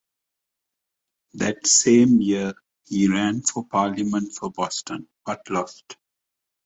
That same year, he ran for Parliament for Boston, but lost.